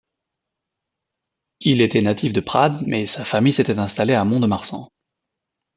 Il était natif de Prades, mais sa famille s'était installée à Mont-de-Marsan.